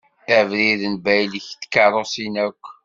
Abrid n baylek i tkerrusin akk.